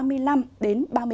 với khu vực nam